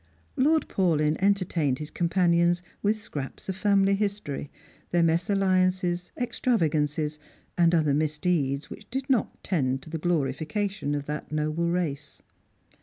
Lord Paulyn entertained his companions with scraps of Family history, their mesalliances, extravagances, and other mis deeds which did not tend to the glorification of that noble race.